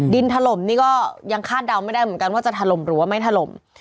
ถล่มนี่ก็ยังคาดเดาไม่ได้เหมือนกันว่าจะถล่มหรือว่าไม่ถล่ม